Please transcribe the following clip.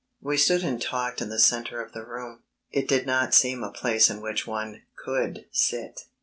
We stood and talked in the centre of the room. It did not seem a place in which one could sit.